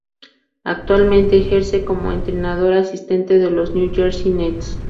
Actualmente ejerce como entrenador asistente de los New Jersey Nets.